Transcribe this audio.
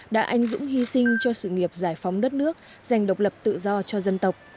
đã anh dũng hy sinh cho sự nghiệp giải phóng đất nước giành độc lập tự do cho dân tộc